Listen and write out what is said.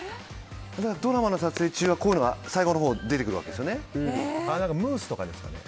ドラマの撮影中はこういうのが最後のほうムースとかですかね。